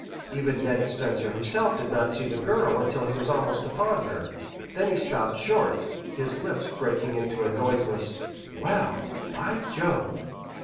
Even Ned Spencer himself did not see the girl until he was almost upon her. Then he stopped short, his lips breaking into a noiseless "Well, by Jove!"